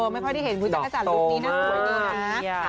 ไม่พอได้เห็นคุณจักรจัดลูกนี้น่ะสวยดีนะ